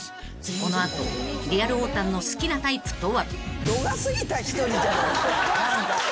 ［この後リアルおーたんの好きなタイプとは？］